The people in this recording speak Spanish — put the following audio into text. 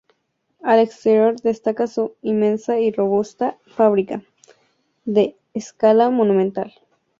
Al exterior destaca su inmensa y robusta fábrica, de escala monumental.